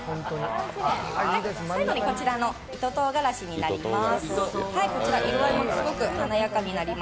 最後にこちらの糸とうがらしになります。